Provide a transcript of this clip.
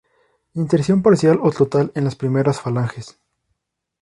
Inserción parcial o total en las primeras falanges.